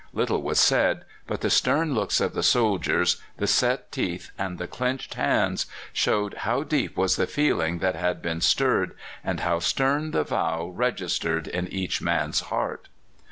Little was said, but the stern looks of the soldiers, the set teeth, and the clenched hands, showed how deep was the feeling that had been stirred, and how stern the vow registered in each man's heart.